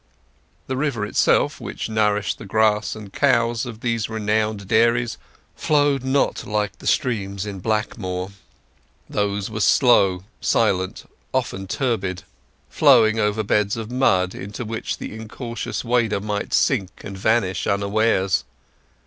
The river itself, which nourished the grass and cows of these renowned dairies, flowed not like the streams in Blackmoor. Those were slow, silent, often turbid; flowing over beds of mud into which the incautious wader might sink and vanish unawares.